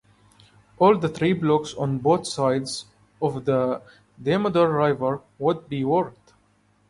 All the three blocks on both sides of the Damodar River would be worked.